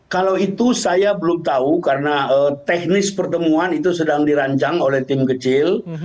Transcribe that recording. kalau itu saya belum tahu karena teknis pertemuan itu sedang dirancang oleh tim kecil